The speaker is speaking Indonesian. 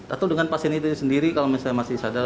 atau dengan pasien itu sendiri kalau misalnya masih sadar